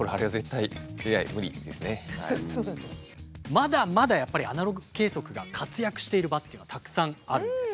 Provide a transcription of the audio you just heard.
ただやっぱりまだまだやっぱりアナログ計測が活躍している場っていうのはたくさんあるんです。